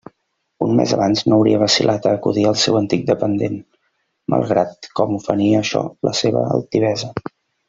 Un mes abans no hauria vacil·lat a acudir al seu antic dependent, malgrat com ofenia això la seua altivesa.